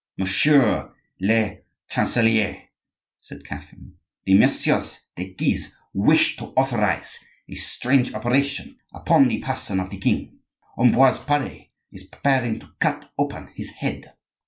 "Monsieur le chancelier," said Catherine, "the Messieurs de Guise wish to authorize a strange operation upon the person of the king; Ambroise Pare is preparing to cut open his head.